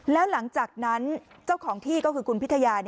แล้วหลังจากนั้นเจ้าของที่ก็คือคุณพิทยา